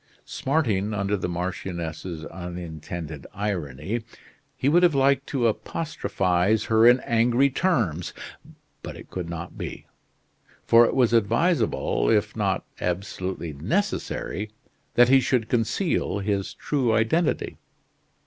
Smarting under the marchioness's unintended irony, he would have liked to apostrophize her in angry terms; but it could not be, for it was advisable if not absolutely necessary that he should conceal his true identity.